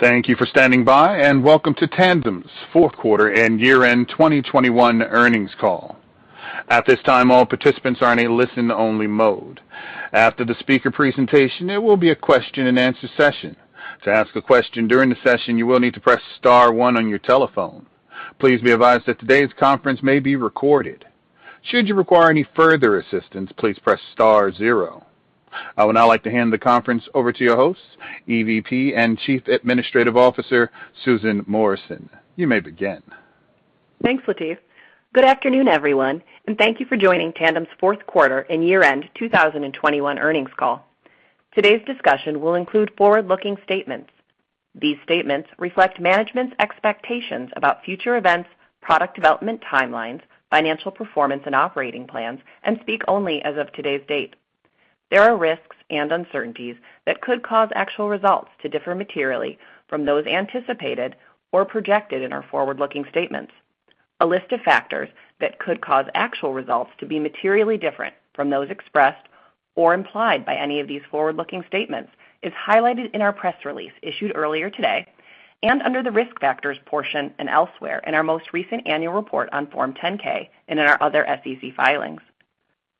Thank you for standing by, and welcome to Tandem's fourth quarter and year-end 2021 earnings call. At this time, all participants are in a listen-only mode. After the speaker presentation, there will be a question-and-answer session. To ask a question during the session, you will need to press star one on your telephone. Please be advised that today's conference may be recorded. Should you require any further assistance, please press star zero. I would now like to hand the conference over to your host, EVP and Chief Administrative Officer, Susan Morrison. You may begin. Thanks, Latif. Good afternoon, everyone, and thank you for joining Tandem's fourth quarter and year-end 2021 earnings call. Today's discussion will include forward-looking statements. These statements reflect management's expectations about future events, product development timelines, financial performance and operating plans, and speak only as of today's date. There are risks and uncertainties that could cause actual results to differ materially from those anticipated or projected in our forward-looking statements. A list of factors that could cause actual results to be materially different from those expressed or implied by any of these forward-looking statements is highlighted in our press release issued earlier today and under the Risk Factors portion and elsewhere in our most recent annual report on Form 10-K and in our other SEC filings.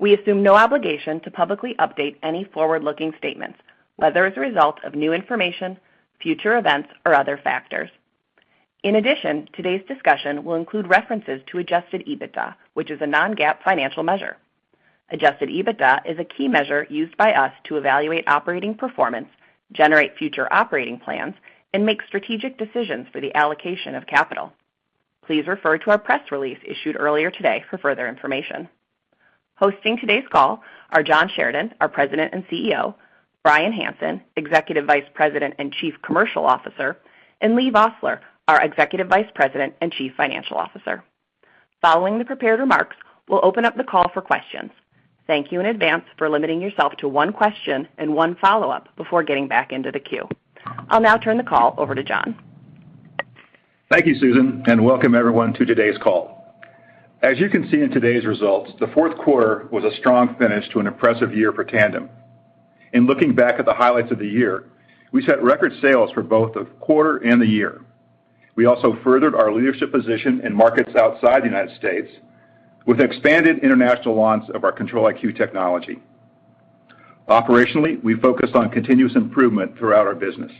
We assume no obligation to publicly update any forward-looking statements, whether as a result of new information, future events, or other factors. In addition, today's discussion will include references to adjusted EBITDA, which is a non-GAAP financial measure. Adjusted EBITDA is a key measure used by us to evaluate operating performance, generate future operating plans, and make strategic decisions for the allocation of capital. Please refer to our press release issued earlier today for further information. Hosting today's call are John Sheridan, our President and CEO, Brian Hansen, Executive Vice President and Chief Commercial Officer, and Leigh Vosseller, our Executive Vice President and Chief Financial Officer. Following the prepared remarks, we'll open up the call for questions. Thank you in advance for limiting yourself to one question and one follow-up before getting back into the queue. I'll now turn the call over to John. Thank you, Susan, and welcome everyone to today's call. As you can see in today's results, the fourth quarter was a strong finish to an impressive year for Tandem. In looking back at the highlights of the year, we set record sales for both the quarter and the year. We also furthered our leadership position in markets outside the United States with expanded international launch of our Control-IQ technology. Operationally, we focused on continuous improvement throughout our business,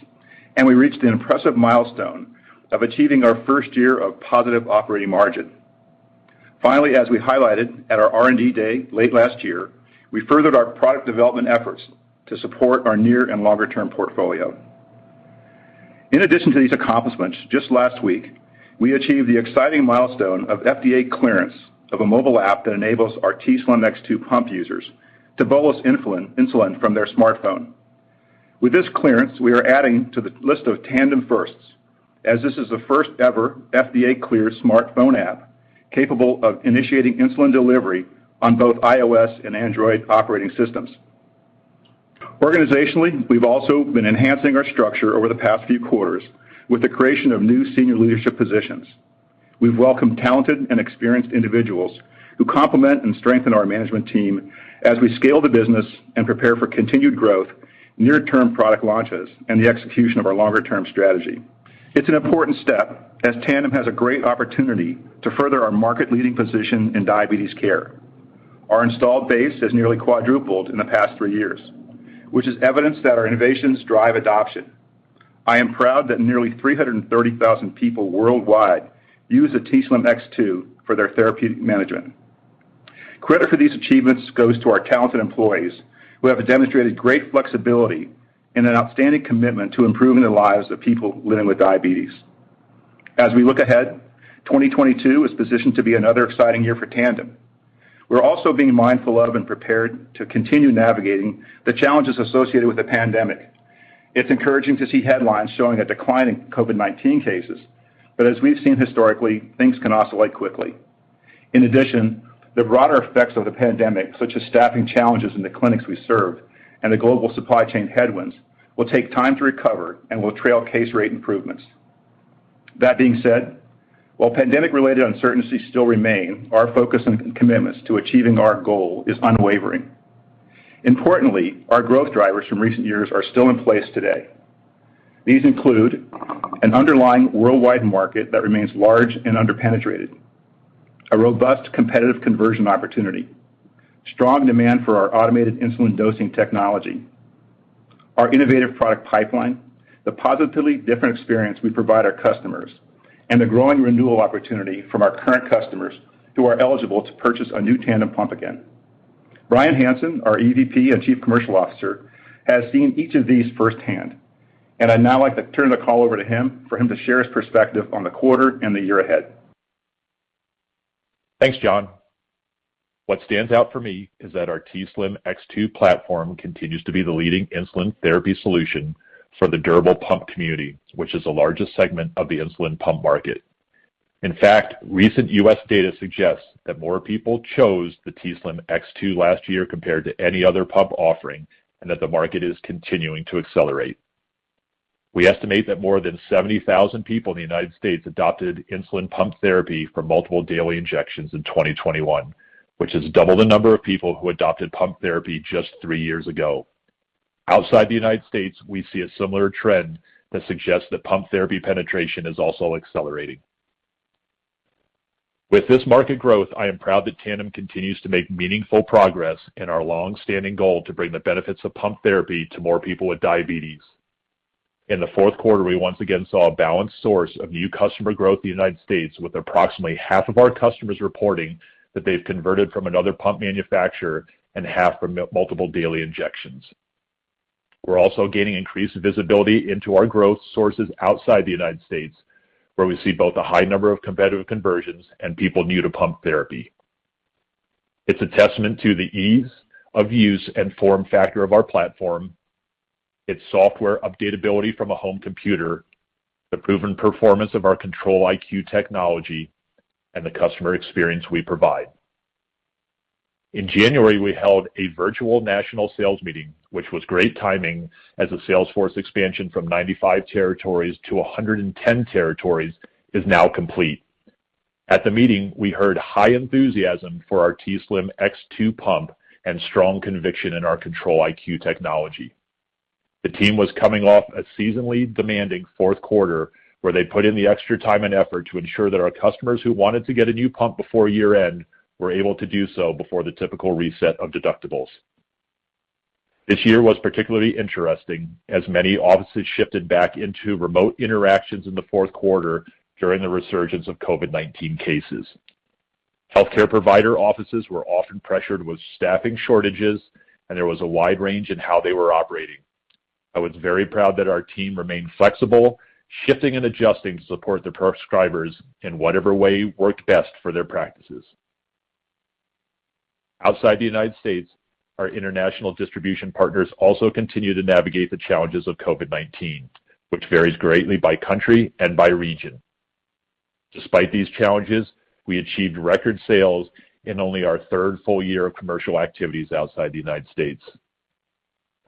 and we reached an impressive milestone of achieving our first year of positive operating margin. Finally, as we highlighted at our R&D day late last year, we furthered our product development efforts to support our near and longer-term portfolio. In addition to these accomplishments, just last week, we achieved the exciting milestone of FDA clearance of a mobile app that enables our t:slim X2 pump users to bolus insulin from their smartphone. With this clearance, we are adding to the list of Tandem firsts, as this is the first ever FDA-cleared smartphone app capable of initiating insulin delivery on both iOS and Android operating systems. Organizationally, we've also been enhancing our structure over the past few quarters with the creation of new senior leadership positions. We've welcomed talented and experienced individuals who complement and strengthen our management team as we scale the business and prepare for continued growth, near-term product launches, and the execution of our longer-term strategy. It's an important step as Tandem has a great opportunity to further our market-leading position in diabetes care. Our installed base has nearly quadrupled in the past 3 years, which is evidence that our innovations drive adoption. I am proud that nearly 330,000 people worldwide use the t:slim X2 for their therapeutic management. Credit for these achievements goes to our talented employees, who have demonstrated great flexibility and an outstanding commitment to improving the lives of people living with diabetes. As we look ahead, 2022 is positioned to be another exciting year for Tandem. We're also being mindful of and prepared to continue navigating the challenges associated with the pandemic. It's encouraging to see headlines showing a decline in COVID-19 cases, but as we've seen historically, things can oscillate quickly. In addition, the broader effects of the pandemic, such as staffing challenges in the clinics we serve and the global supply chain headwinds, will take time to recover and will trail case rate improvements. That being said, while pandemic-related uncertainties still remain, our focus and commitments to achieving our goal is unwavering. Importantly, our growth drivers from recent years are still in place today. These include an underlying worldwide market that remains large and under-penetrated, a robust competitive conversion opportunity, strong demand for our automated insulin dosing technology, our innovative product pipeline, the positively different experience we provide our customers, and the growing renewal opportunity from our current customers who are eligible to purchase a new Tandem pump again. Brian Hansen, our EVP and Chief Commercial Officer, has seen each of these firsthand, and I'd now like to turn the call over to him for him to share his perspective on the quarter and the year ahead. Thanks, John. What stands out for me is that our t:slim X2 platform continues to be the leading insulin therapy solution for the durable pump community, which is the largest segment of the insulin pump market. In fact, recent U.S. data suggests that more people chose the t:slim X2 last year compared to any other pump offering, and that the market is continuing to accelerate. We estimate that more than 70,000 people in the United States adopted insulin pump therapy for multiple daily injections in 2021, which is double the number of people who adopted pump therapy just three years ago. Outside the United States, we see a similar trend that suggests that pump therapy penetration is also accelerating. With this market growth, I am proud that Tandem continues to make meaningful progress in our long-standing goal to bring the benefits of pump therapy to more people with diabetes. In the fourth quarter, we once again saw a balanced source of new customer growth in the United States, with approximately half of our customers reporting that they've converted from another pump manufacturer and half from multiple daily injections. We're also gaining increased visibility into our growth sources outside the United States, where we see both a high number of competitive conversions and people new to pump therapy. It's a testament to the ease of use and form factor of our platform, its software updatability from a home computer, the proven performance of our Control-IQ technology, and the customer experience we provide. In January, we held a virtual national sales meeting, which was great timing as the sales force expansion from 95 territories to 110 territories is now complete. At the meeting, we heard high enthusiasm for our t:slim X2 pump and strong conviction in our Control-IQ technology. The team was coming off a seasonally demanding fourth quarter where they put in the extra time and effort to ensure that our customers who wanted to get a new pump before year-end were able to do so before the typical reset of deductibles. This year was particularly interesting, as many offices shifted back into remote interactions in the fourth quarter during the resurgence of COVID-19 cases. Healthcare provider offices were often pressured with staffing shortages, and there was a wide range in how they were operating. I was very proud that our team remained flexible, shifting and adjusting to support the prescribers in whatever way worked best for their practices. Outside the United States, our international distribution partners also continue to navigate the challenges of COVID-19, which varies greatly by country and by region. Despite these challenges, we achieved record sales in only our third full year of commercial activities outside the United States.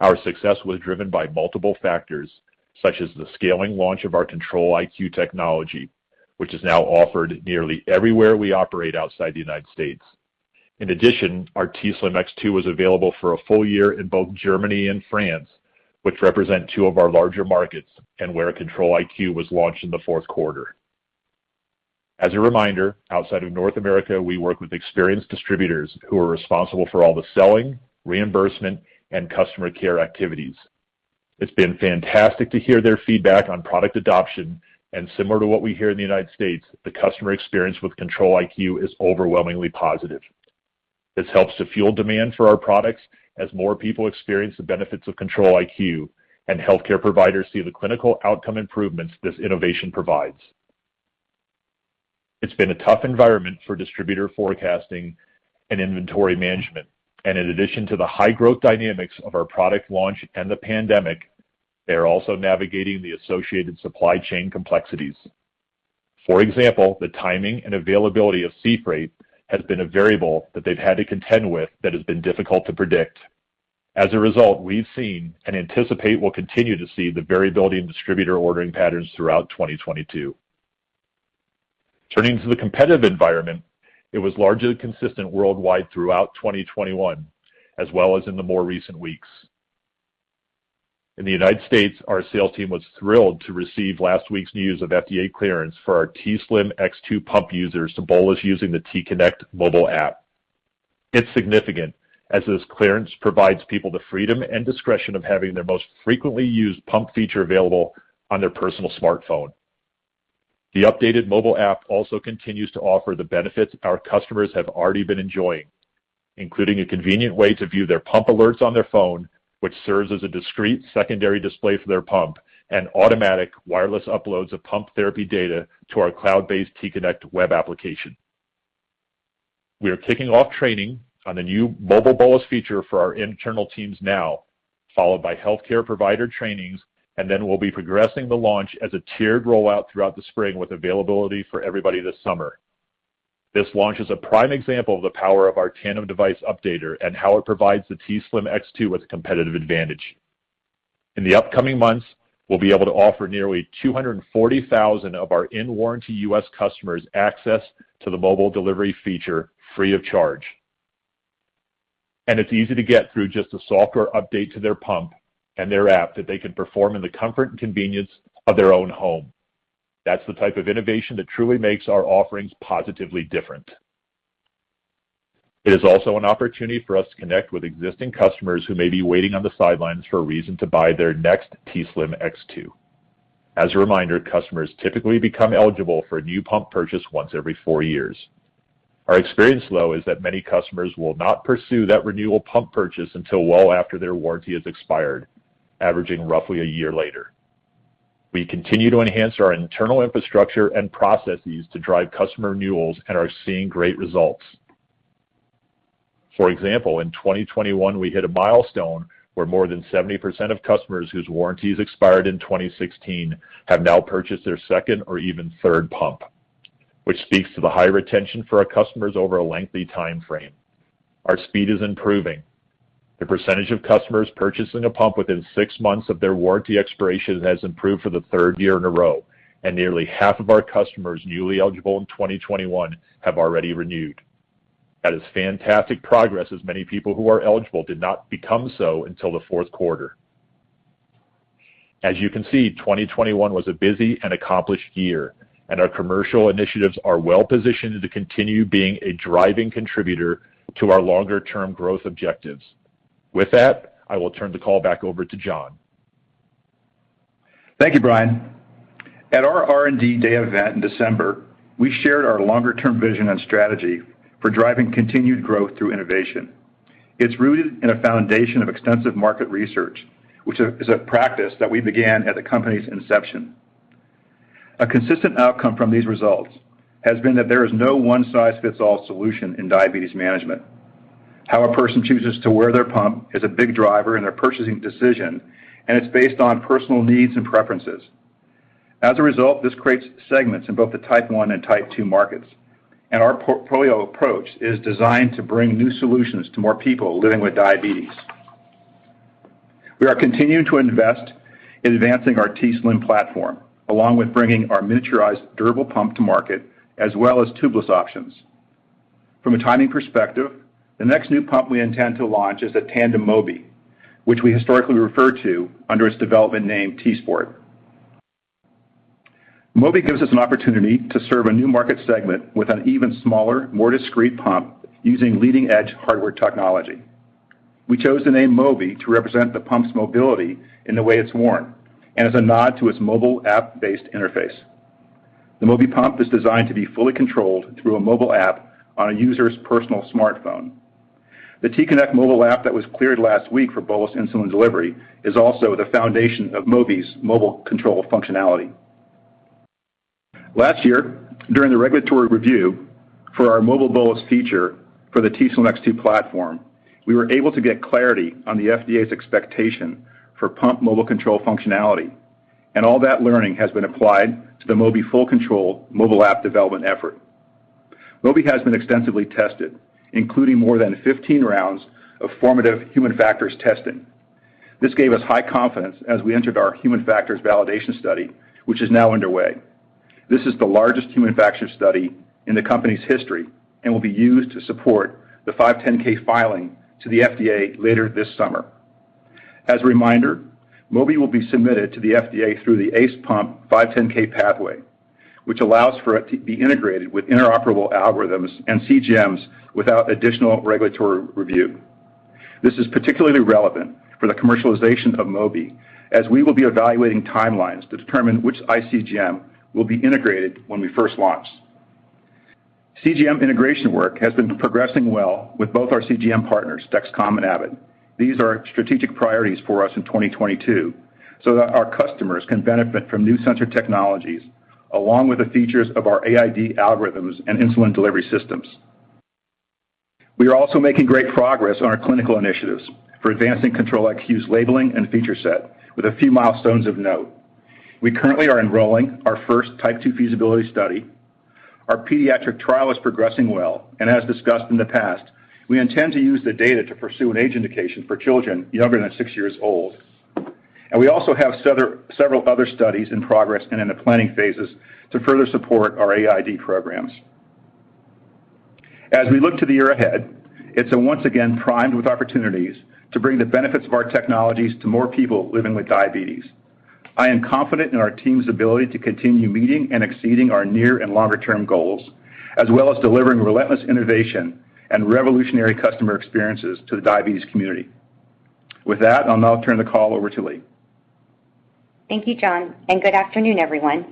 Our success was driven by multiple factors, such as the scaling launch of our Control-IQ technology, which is now offered nearly everywhere we operate outside the United States. In addition, our t:slim X2 was available for a full year in both Germany and France, which represent two of our larger markets and where Control-IQ was launched in the fourth quarter. As a reminder, outside of North America, we work with experienced distributors who are responsible for all the selling, reimbursement, and customer care activities. It's been fantastic to hear their feedback on product adoption, and similar to what we hear in the United States, the customer experience with Control-IQ is overwhelmingly positive. This helps to fuel demand for our products as more people experience the benefits of Control-IQ and healthcare providers see the clinical outcome improvements this innovation provides. It's been a tough environment for distributor forecasting and inventory management. In addition to the high growth dynamics of our product launch and the pandemic, they are also navigating the associated supply chain complexities. For example, the timing and availability of sea freight has been a variable that they've had to contend with that has been difficult to predict. As a result, we've seen and anticipate we'll continue to see the variability in distributor ordering patterns throughout 2022. Turning to the competitive environment, it was largely consistent worldwide throughout 2021, as well as in the more recent weeks. In the United States, our sales team was thrilled to receive last week's news of FDA clearance for our t:slim X2 pump users to bolus using the t:connect mobile app. It's significant as this clearance provides people the freedom and discretion of having their most frequently used pump feature available on their personal smartphone. The updated mobile app also continues to offer the benefits our customers have already been enjoying, including a convenient way to view their pump alerts on their phone, which serves as a discreet secondary display for their pump and automatic wireless uploads of pump therapy data to our cloud-based t:connect web application. We are kicking off training on the new Mobile Bolus feature for our internal teams now, followed by healthcare provider trainings, and then we'll be progressing the launch as a tiered rollout throughout the spring with availability for everybody this summer. This launch is a prime example of the power of our Tandem Device Updater and how it provides the t:slim X2 with a competitive advantage. In the upcoming months, we'll be able to offer nearly 240,000 of our in-warranty U.S. customers access to the Mobile Bolus feature free of charge. It's easy to get through just a software update to their pump and their app that they can perform in the comfort and convenience of their own home. That's the type of innovation that truly makes our offerings positively different. It is also an opportunity for us to connect with existing customers who may be waiting on the sidelines for a reason to buy their next t:slim X2. As a reminder, customers typically become eligible for a new pump purchase once every 4 years. Our experience, though, is that many customers will not pursue that renewal pump purchase until well after their warranty has expired, averaging roughly a year later. We continue to enhance our internal infrastructure and processes to drive customer renewals and are seeing great results. For example, in 2021, we hit a milestone where more than 70% of customers whose warranties expired in 2016 have now purchased their second or even third pump, which speaks to the high retention for our customers over a lengthy time frame. Our speed is improving. The percentage of customers purchasing a pump within six months of their warranty expiration has improved for the third year in a row, and nearly half of our customers newly eligible in 2021 have already renewed. That is fantastic progress as many people who are eligible did not become so until the fourth quarter. As you can see, 2021 was a busy and accomplished year, and our commercial initiatives are well-positioned to continue being a driving contributor to our longer term growth objectives. With that, I will turn the call back over to John. Thank you, Brian. At our R&D Day event in December, we shared our longer-term vision and strategy for driving continued growth through innovation. It's rooted in a foundation of extensive market research, which is a practice that we began at the company's inception. A consistent outcome from these results has been that there is no one-size-fits-all solution in diabetes management. How a person chooses to wear their pump is a big driver in their purchasing decision, and it's based on personal needs and preferences. As a result, this creates segments in both the Type one and Type two markets, and our portfolio approach is designed to bring new solutions to more people living with diabetes. We are continuing to invest in advancing our t:slim platform, along with bringing our miniaturized durable pump to market as well as tubeless options. From a timing perspective, the next new pump we intend to launch is the Tandem Mobi, which we historically refer to under its development name, t:sport. Mobi gives us an opportunity to serve a new market segment with an even smaller, more discreet pump using leading-edge hardware technology. We chose the name Mobi to represent the pump's mobility in the way it's worn and as a nod to its mobile app-based interface. The Mobi pump is designed to be fully controlled through a mobile app on a user's personal smartphone. The t:connect mobile app that was cleared last week for bolus insulin delivery is also the foundation of Mobi's mobile control functionality. Last year, during the regulatory review for our Mobile Bolus feature for the t:slim X2 platform, we were able to get clarity on the FDA's expectation for pump mobile control functionality, and all that learning has been applied to the Mobi full control mobile app development effort. Mobi has been extensively tested, including more than 15 rounds of formative human factors testing. This gave us high confidence as we entered our human factors validation study, which is now underway. This is the largest human factors study in the company's history and will be used to support the 510(k) filing to the FDA later this summer. As a reminder, Mobi will be submitted to the FDA through the ACE pump 510(k) pathway, which allows for it to be integrated with interoperable algorithms and CGMs without additional regulatory review. This is particularly relevant for the commercialization of Mobi, as we will be evaluating timelines to determine which iCGM will be integrated when we first launch. CGM integration work has been progressing well with both our CGM partners, Dexcom and Abbott. These are strategic priorities for us in 2022 so that our customers can benefit from new sensor technologies along with the features of our AID algorithms and insulin delivery systems. We are also making great progress on our clinical initiatives for advancing Control-IQ's labeling and feature set with a few milestones of note. We currently are enrolling our first Type 2 feasibility study. Our pediatric trial is progressing well, and as discussed in the past, we intend to use the data to pursue an age indication for children younger than six years old. We also have several other studies in progress and in the planning phases to further support our AID programs. As we look to the year ahead, it's once again primed with opportunities to bring the benefits of our technologies to more people living with diabetes. I am confident in our team's ability to continue meeting and exceeding our near and longer-term goals, as well as delivering relentless innovation and revolutionary customer experiences to the diabetes community. With that, I'll now turn the call over to Leigh. Thank you, John, and good afternoon, everyone.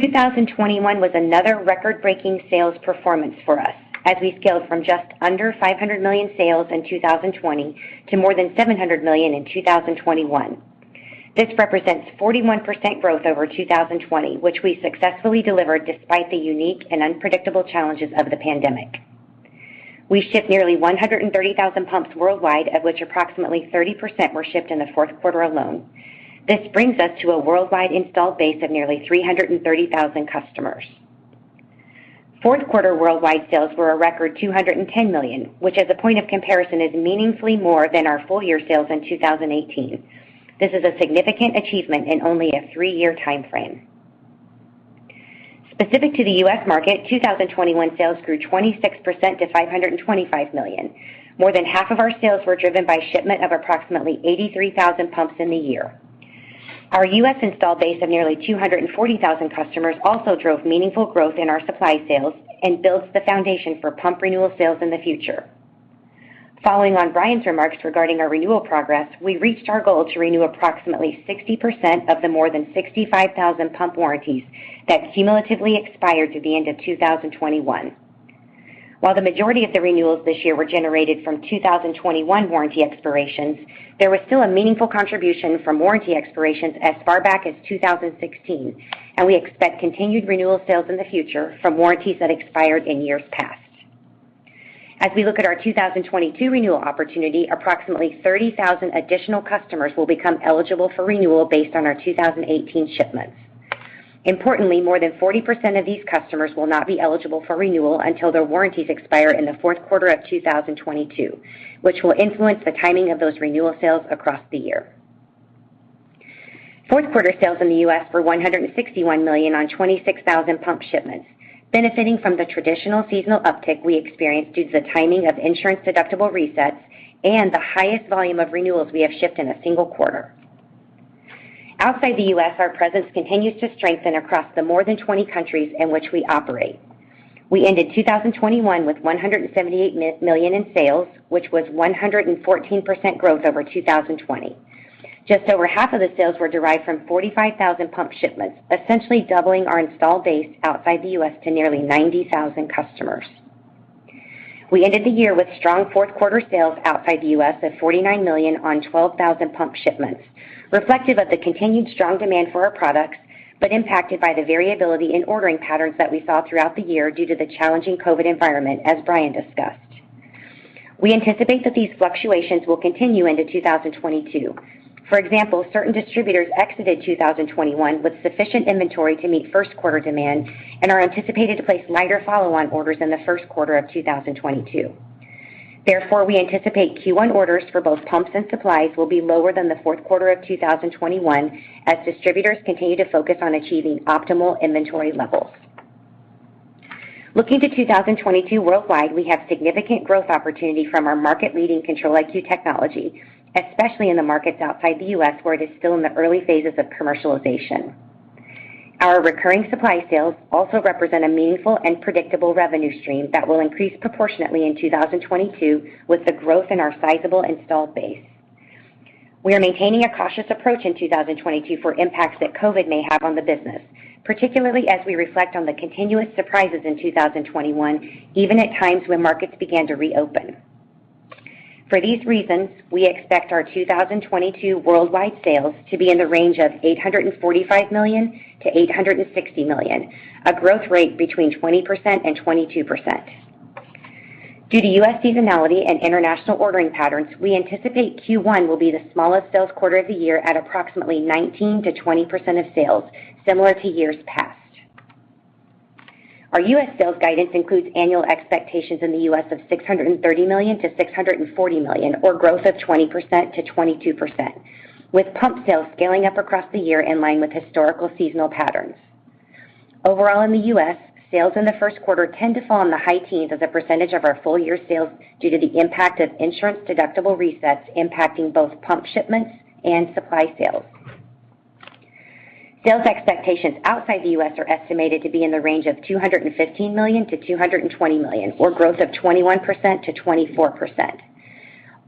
2021 was another record-breaking sales performance for us as we scaled from just under $500 million sales in 2020 to more than $700 million in 2021. This represents 41% growth over 2020, which we successfully delivered despite the unique and unpredictable challenges of the pandemic. We shipped nearly 130,000 pumps worldwide, of which approximately 30% were shipped in the fourth quarter alone. This brings us to a worldwide installed base of nearly 330,000 customers. Fourth quarter worldwide sales were a record $210 million, which as a point of comparison, is meaningfully more than our full year sales in 2018. This is a significant achievement in only a 3-year timeframe. Specific to the U.S. market, 2021 sales grew 26% to $525 million. More than half of our sales were driven by shipment of approximately 83,000 pumps in the year. Our U.S. installed base of nearly 240,000 customers also drove meaningful growth in our supply sales and builds the foundation for pump renewal sales in the future. Following on Brian's remarks regarding our renewal progress, we reached our goal to renew approximately 60% of the more than 65,000 pump warranties that cumulatively expired through the end of 2021. While the majority of the renewals this year were generated from 2021 warranty expirations, there was still a meaningful contribution from warranty expirations as far back as 2016, and we expect continued renewal sales in the future from warranties that expired in years past. As we look at our 2022 renewal opportunity, approximately 30,000 additional customers will become eligible for renewal based on our 2018 shipments. Importantly, more than 40% of these customers will not be eligible for renewal until their warranties expire in the fourth quarter of 2022, which will influence the timing of those renewal sales across the year. Fourth quarter sales in the U.S. were $161 million on 26,000 pump shipments. Benefiting from the traditional seasonal uptick we experience due to the timing of insurance deductible resets and the highest volume of renewals we have shipped in a single quarter. Outside the U.S., our presence continues to strengthen across the more than 20 countries in which we operate. We ended 2021 with $178 million in sales, which was 114% growth over 2020. Just over half of the sales were derived from 45,000 pump shipments, essentially doubling our installed base outside the U.S. to nearly 90,000 customers. We ended the year with strong fourth quarter sales outside the U.S. of $49 million on 12,000 pump shipments, reflective of the continued strong demand for our products, but impacted by the variability in ordering patterns that we saw throughout the year due to the challenging COVID environment, as Brian discussed. We anticipate that these fluctuations will continue into 2022. For example, certain distributors exited 2021 with sufficient inventory to meet first quarter demand and are anticipated to place lighter follow-on orders in the first quarter of 2022. Therefore, we anticipate Q1 orders for both pumps and supplies will be lower than the fourth quarter of 2021 as distributors continue to focus on achieving optimal inventory levels. Looking to 2022 worldwide, we have significant growth opportunity from our market-leading Control-IQ technology, especially in the markets outside the U.S. where it is still in the early phases of commercialization. Our recurring supply sales also represent a meaningful and predictable revenue stream that will increase proportionately in 2022 with the growth in our sizable installed base. We are maintaining a cautious approach in 2022 for impacts that COVID may have on the business, particularly as we reflect on the continuous surprises in 2021, even at times when markets began to reopen. For these reasons, we expect our 2022 worldwide sales to be in the range of $845 million-$860 million, a growth rate between 20%-22%. Due to U.S. seasonality and international ordering patterns, we anticipate Q1 will be the smallest sales quarter of the year at approximately 19%-20% of sales, similar to years past. Our U.S. sales guidance includes annual expectations in the U.S. of $630 million-$640 million, or growth of 20%-22%, with pump sales scaling up across the year in line with historical seasonal patterns. Overall, in the U.S., sales in the first quarter tend to fall in the high teens as a percentage of our full year sales due to the impact of insurance deductible resets impacting both pump shipments and supply sales. Sales expectations outside the U.S. are estimated to be in the range of $215 million-$220 million, or growth of 21%-24%.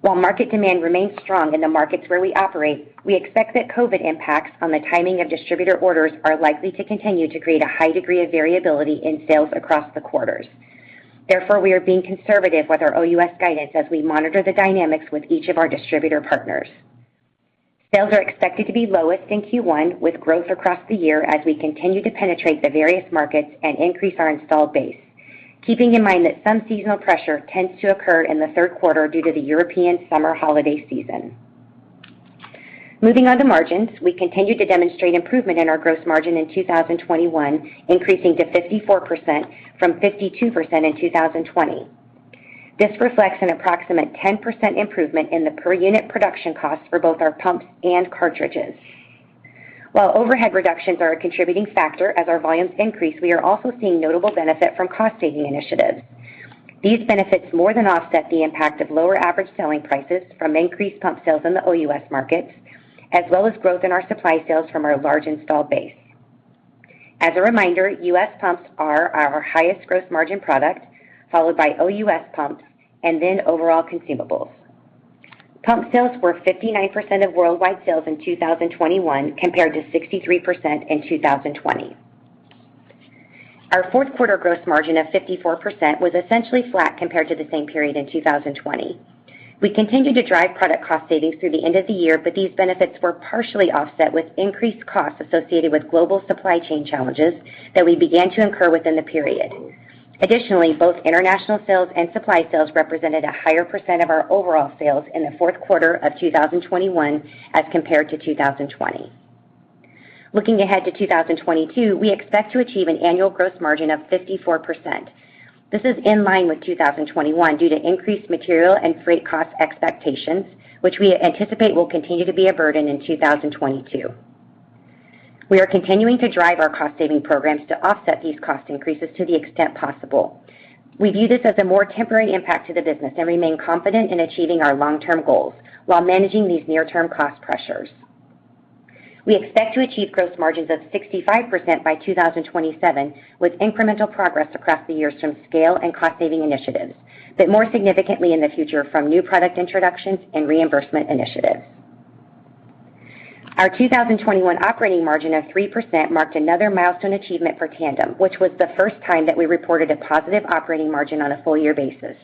While market demand remains strong in the markets where we operate, we expect that COVID impacts on the timing of distributor orders are likely to continue to create a high degree of variability in sales across the quarters. Therefore, we are being conservative with our OUS guidance as we monitor the dynamics with each of our distributor partners. Sales are expected to be lowest in Q1, with growth across the year as we continue to penetrate the various markets and increase our installed base. Keeping in mind that some seasonal pressure tends to occur in the third quarter due to the European summer holiday season. Moving on to margins, we continued to demonstrate improvement in our gross margin in 2021, increasing to 54% from 52% in 2020. This reflects an approximate 10% improvement in the per unit production costs for both our pumps and cartridges. While overhead reductions are a contributing factor as our volumes increase, we are also seeing notable benefit from cost-saving initiatives. These benefits more than offset the impact of lower average selling prices from increased pump sales in the OUS markets, as well as growth in our supply sales from our large installed base. As a reminder, U.S. pumps are our highest gross margin product, followed by OUS pumps, and then overall consumables. Pump sales were 59% of worldwide sales in 2021, compared to 63% in 2020. Our fourth quarter gross margin of 54% was essentially flat compared to the same period in 2020. We continued to drive product cost savings through the end of the year, but these benefits were partially offset with increased costs associated with global supply chain challenges that we began to incur within the period. Additionally, both international sales and supply sales represented a higher percent of our overall sales in the fourth quarter of 2021 as compared to 2020. Looking ahead to 2022, we expect to achieve an annual gross margin of 54%. This is in line with 2021 due to increased material and freight cost expectations, which we anticipate will continue to be a burden in 2022. We are continuing to drive our cost-saving programs to offset these cost increases to the extent possible. We view this as a more temporary impact to the business and remain confident in achieving our long-term goals while managing these near-term cost pressures. We expect to achieve gross margins of 65% by 2027, with incremental progress across the years from scale and cost-saving initiatives, but more significantly in the future from new product introductions and reimbursement initiatives. Our 2021 operating margin of 3% marked another milestone achievement for Tandem, which was the first time that we reported a positive operating margin on a full year basis.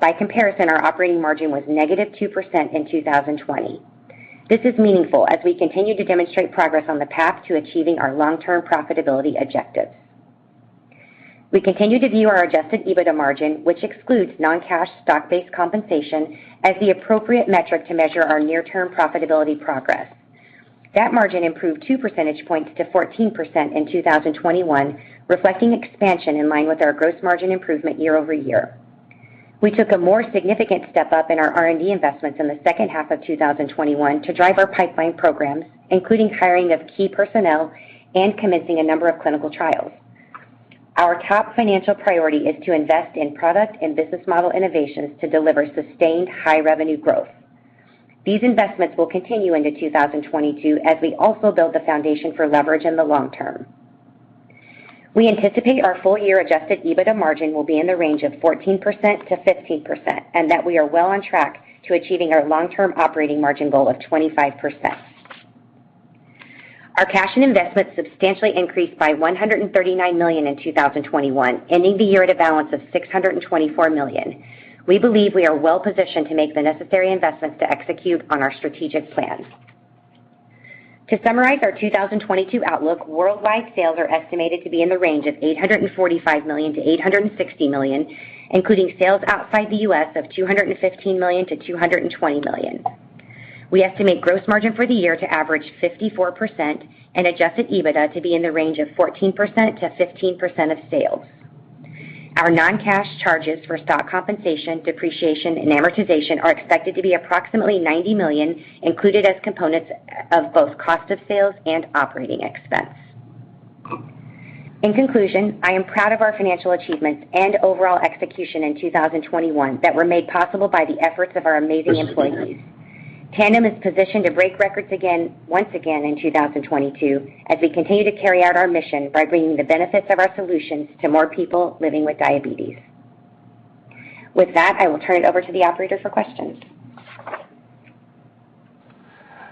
By comparison, our operating margin was -2% in 2020. This is meaningful as we continue to demonstrate progress on the path to achieving our long-term profitability objectives. We continue to view our adjusted EBITDA margin, which excludes non-cash stock-based compensation, as the appropriate metric to measure our near-term profitability progress. That margin improved 2 percentage points to 14% in 2021, reflecting expansion in line with our gross margin improvement year-over-year. We took a more significant step up in our R&D investments in the second half of 2021 to drive our pipeline programs, including hiring of key personnel and commencing a number of clinical trials. Our top financial priority is to invest in product and business model innovations to deliver sustained high revenue growth. These investments will continue into 2022 as we also build the foundation for leverage in the long term. We anticipate our full year adjusted EBITDA margin will be in the range of 14%-15%, and that we are well on track to achieving our long-term operating margin goal of 25%. Our cash and investments substantially increased by $139 million in 2021, ending the year at a balance of $624 million. We believe we are well positioned to make the necessary investments to execute on our strategic plans. To summarize our 2022 outlook, worldwide sales are estimated to be in the range of $845 million-$860 million, including sales outside the U.S. of $215 million-$220 million. We estimate gross margin for the year to average 54% and adjusted EBITDA to be in the range of 14%-15% of sales. Our non-cash charges for stock compensation, depreciation, and amortization are expected to be approximately $90 million, included as components of both cost of sales and operating expense. In conclusion, I am proud of our financial achievements and overall execution in 2021 that were made possible by the efforts of our amazing employees. Tandem is positioned to break records again, once again in 2022 as we continue to carry out our mission by bringing the benefits of our solutions to more people living with diabetes. With that, I will turn it over to the operator for questions.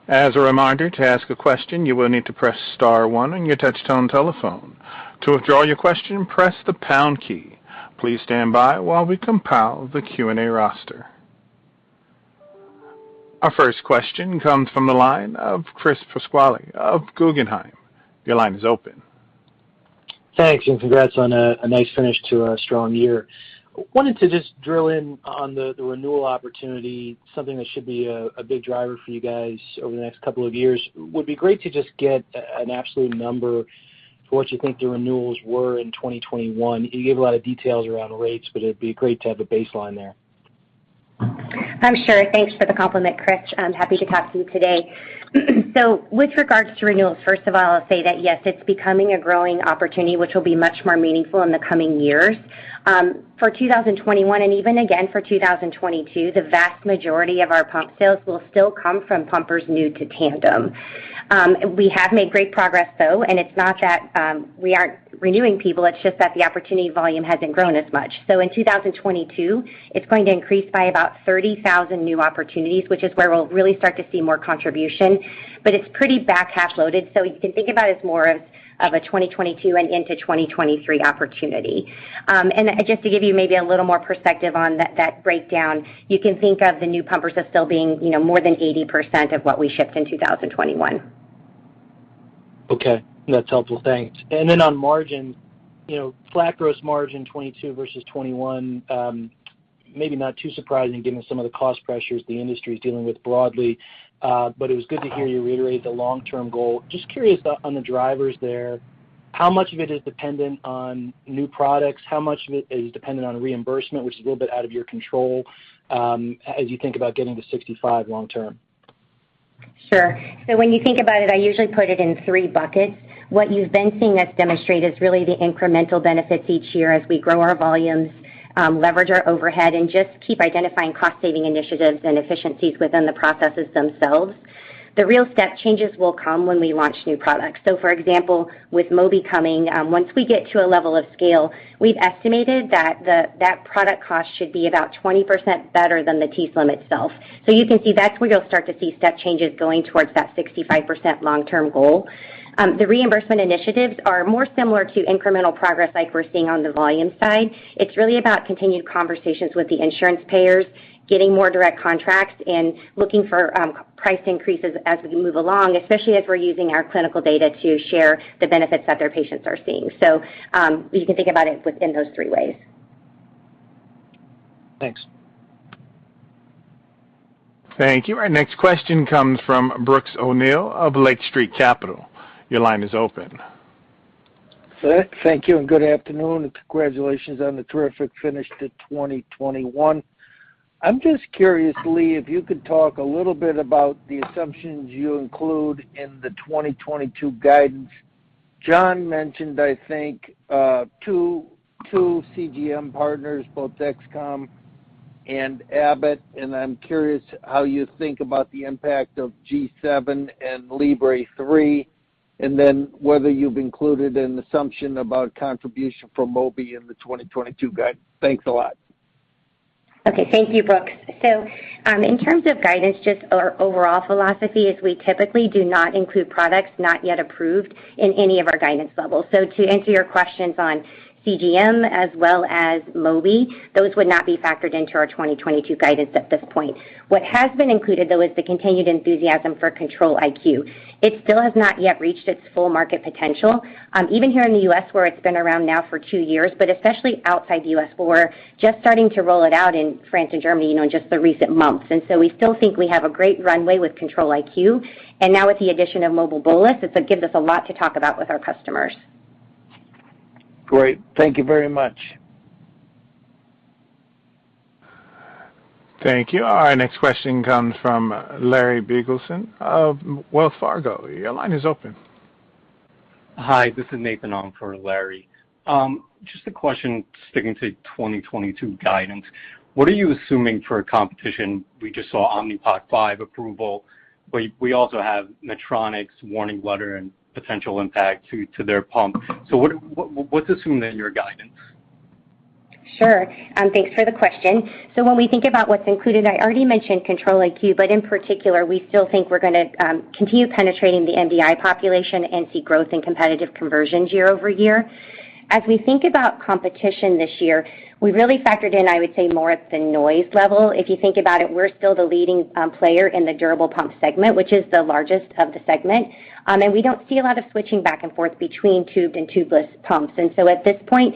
As a reminder, to ask a question, you will need to press star one on your touchtone telephone. To withdraw your question, press the pound key. Please stand by while we compile the Q&A roster. Our first question comes from the line of Chris Pasquale of Guggenheim. Your line is open. Thanks. Congrats on a nice finish to a strong year. I wanted to just drill in on the renewal opportunity, something that should be a big driver for you guys over the next couple of years. Would be great to just get an absolute number for what you think the renewals were in 2021. You gave a lot of details around rates, but it'd be great to have a baseline there. Sure. Thanks for the compliment, Chris. I'm happy to talk to you today. With regards to renewals, first of all, I'll say that, yes, it's becoming a growing opportunity, which will be much more meaningful in the coming years. For 2021, and even again for 2022, the vast majority of our pump sales will still come from pumpers new to Tandem. We have made great progress though, and it's not that, we aren't renewing people, it's just that the opportunity volume hasn't grown as much. In 2022, it's going to increase by about 30,000 new opportunities, which is where we'll really start to see more contribution. It's pretty back half loaded, so you can think about it as more of a 2022 and into 2023 opportunity. Just to give you maybe a little more perspective on that breakdown, you can think of the new pumpers as still being, you know, more than 80% of what we shipped in 2021. Okay. That's helpful. Thanks. On margin, you know, flat gross margin, 22% versus 21%, maybe not too surprising given some of the cost pressures the industry is dealing with broadly. It was good to hear you reiterate the long-term goal. Just curious on the drivers there, how much of it is dependent on new products? How much of it is dependent on reimbursement, which is a little bit out of your control, as you think about getting to 65% long term? Sure. When you think about it, I usually put it in three buckets. What you've been seeing us demonstrate is really the incremental benefits each year as we grow our volumes, leverage our overhead, and just keep identifying cost saving initiatives and efficiencies within the processes themselves. The real step changes will come when we launch new products. For example, with Mobi coming, once we get to a level of scale, we've estimated that that product cost should be about 20% better than the t:slim itself. You can see that's where you'll start to see step changes going towards that 65% long-term goal. The reimbursement initiatives are more similar to incremental progress like we're seeing on the volume side. It's really about continued conversations with the insurance payers, getting more direct contracts, and looking for, price increases as we move along, especially as we're using our clinical data to share the benefits that their patients are seeing. You can think about it within those three ways. Thanks. Thank you. Our next question comes from Brooks O'Neil of Lake Street Capital. Your line is open. Thank you and good afternoon, and congratulations on the terrific finish to 2021. I'm just curious, Leigh, if you could talk a little bit about the assumptions you include in the 2022 guidance. John mentioned, I think, two CGM partners, both Dexcom and Abbott, and I'm curious how you think about the impact of G7 and Libre three, and then whether you've included an assumption about contribution from Mobi in the 2022 guidance. Thanks a lot. Okay. Thank you, Brooks. In terms of guidance, just our overall philosophy is we typically do not include products not yet approved in any of our guidance levels. To answer your questions on CGM as well as Mobi, those would not be factored into our 2022 guidance at this point. What has been included, though, is the continued enthusiasm for Control-IQ. It still has not yet reached its full market potential, even here in the U.S. where it's been around now for two years, but especially outside the U.S., where we're just starting to roll it out in France and Germany, you know, in just the recent months. We still think we have a great runway with Control-IQ. Now with the addition of Mobile Bolus, it gives us a lot to talk about with our customers. Great. Thank you very much. Thank you. Our next question comes from Larry Biegelsen of Wells Fargo. Your line is open. Hi, this is Nathan on for Larry. Just a question sticking to 2022 guidance. What are you assuming for a competition? We just saw Omnipod 5 approval, but we also have Medtronic's warning letter and potential impact to their pump. What's assumed in your guidance? Sure. Thanks for the question. When we think about what's included, I already mentioned Control-IQ, but in particular, we still think we're gonna continue penetrating the MDI population and see growth in competitive conversions year-over-year. As we think about competition this year, we really factored in, I would say more at the noise level. If you think about it, we're still the leading player in the durable pump segment, which is the largest of the segment. We don't see a lot of switching back and forth between tubed and tubeless pumps. At this point,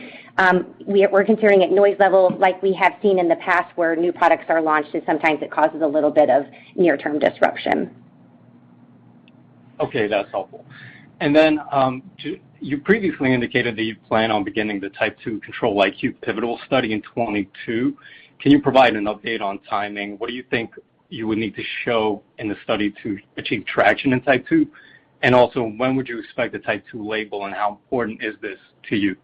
we're considering at noise level like we have seen in the past where new products are launched, and sometimes it causes a little bit of near-term disruption. Okay, that's helpful. You previously indicated that you plan on beginning the type two Control-IQ pivotal study in 2022. Can you provide an update on timing? What do you think you would need to show in the study to achieve traction in type two? And also, when would you expect the type two label, and how important is this to you?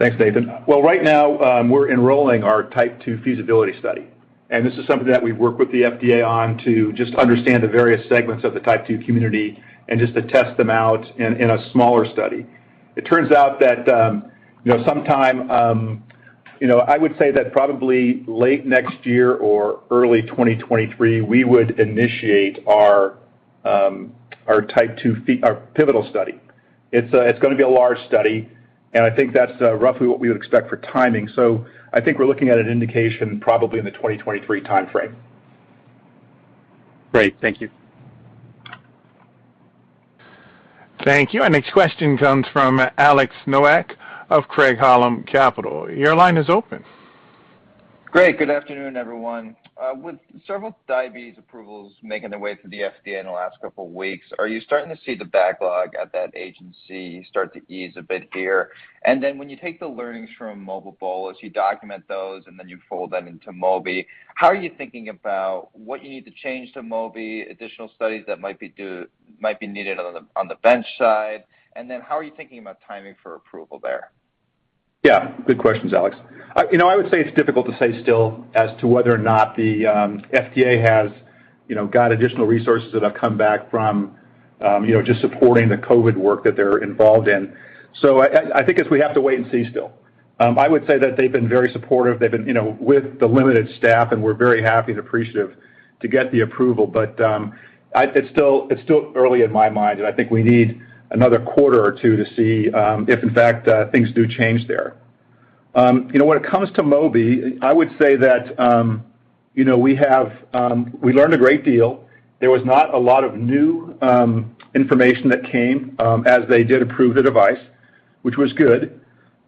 Thanks, Nathan. Well, right now, we're enrolling our type two feasibility study, and this is something that we work with the FDA on to just understand the various segments of the type two community and just to test them out in a smaller study. It turns out that, you know, sometime, you know, I would say that probably late next year or early 2023, we would initiate our type two pivotal study. It's gonna be a large study, and I think that's roughly what we would expect for timing. I think we're looking at an indication probably in the 2023 timeframe. Great. Thank you. Thank you. Our next question comes from Alex Nowak of Craig-Hallum Capital. Your line is open. Great. Good afternoon, everyone. With several diabetes approvals making their way through the FDA in the last couple of weeks, are you starting to see the backlog at that agency start to ease a bit here? When you take the learnings from Mobile Bolus, you document those, and then you fold them into Mobi, how are you thinking about what you need to change to Mobi, additional studies that might be needed on the bench side? How are you thinking about timing for approval there? Yeah, good questions, Alex. You know, I would say it's difficult to say still as to whether or not the FDA has, you know, got additional resources that have come back from, you know, just supporting the COVID work that they're involved in. I think we have to wait and see still. I would say that they've been very supportive. They've been, you know, with the limited staff, and we're very happy and appreciative to get the approval. It's still early in my mind, and I think we need another quarter or two to see if in fact things do change there. You know, when it comes to Mobi, I would say that, you know, we learned a great deal. There was not a lot of new information that came as they did approve the device, which was good.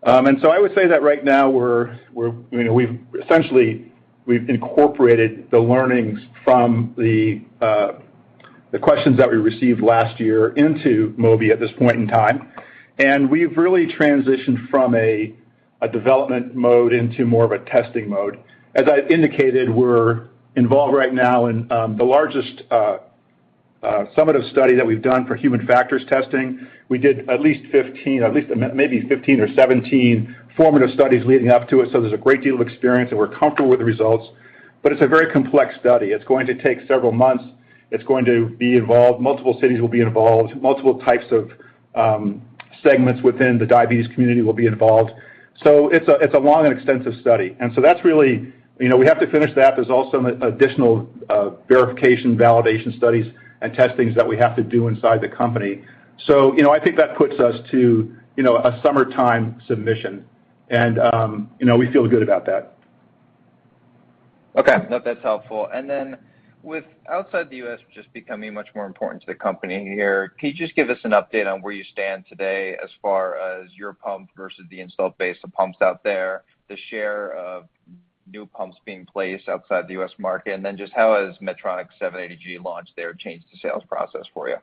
I would say that right now we're, you know, we've essentially incorporated the learnings from the questions that we received last year into Mobi at this point in time. We've really transitioned from a development mode into more of a testing mode. As I indicated, we're involved right now in the largest summative study that we've done for human factors testing. We did at least 15, maybe 15 or 17 formative studies leading up to it, so there's a great deal of experience, and we're comfortable with the results. It's a very complex study. It's going to take several months. It's going to be involved. Multiple cities will be involved. Multiple types of segments within the diabetes community will be involved. It's a long and extensive study. That's really, you know, we have to finish that. There's also some additional verification, validation studies and testings that we have to do inside the company. You know, I think that puts us to, you know, a summertime submission. You know, we feel good about that. Okay. No, that's helpful. With outside the U.S. just becoming much more important to the company here, can you just give us an update on where you stand today as far as your pump versus the installed base of pumps out there, the share of new pumps being placed outside the U.S. market? Just how has Medtronic's 780G launch there changed the sales process for you?